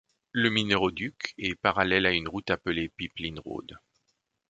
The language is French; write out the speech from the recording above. Le minéroduc est parallèle à une route appelée Pipeline Road.